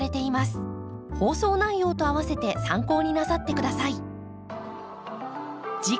放送内容と合わせて参考になさって下さい。